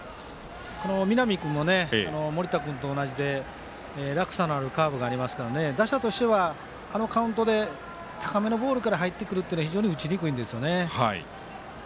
この南君も盛田君と同じで落差のあるカーブがありますから打者としてはあのカウントで高めのボールから入ってくるのは非常に打ちにくいんですよね。